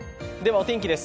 お天気です。